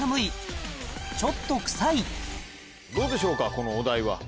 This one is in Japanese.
このお題は。